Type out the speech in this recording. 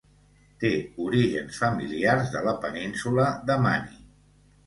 Té orígens familiars de la Península de Mani.